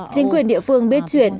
chính quyền địa phương biết chuyện